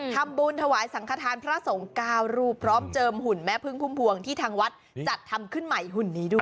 ทำบุญถวายสังขทานพระสงฆ์๙รูปพร้อมเจิมหุ่นแม่พึ่งพุ่มพวงที่ทางวัดจัดทำขึ้นใหม่หุ่นนี้ด้วย